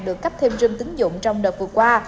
được cấp thêm rưng tính dụng trong đợt vừa qua